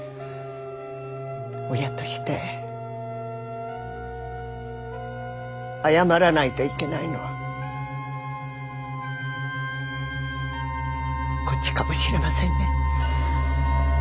親として謝らないといけないのはこっちかもしれませんね。